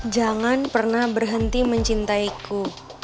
jangan pernah berhenti mencintaiku